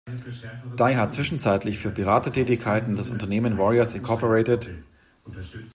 Dye hat zwischenzeitlich für Beratertätigkeiten das Unternehmen "Warriors Inc.